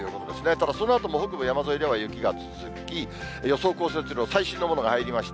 ただ、そのあとも北部、山沿いでは雪が続き、予想降雪量、最新のものが入りました。